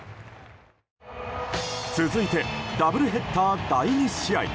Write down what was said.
続いてダブルヘッダー第２試合。